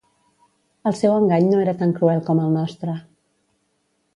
El seu engany no era tan cruel com el nostre.